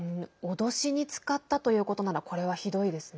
脅しに使ったということならこれはひどいですね。